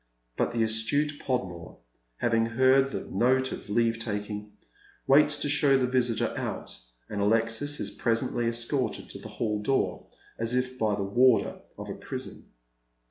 But the astute Podmore, having heard the note of leave taking, waits to show the visitor out, and Alexia is presently escorted to the hall door as if by the warder of a prison.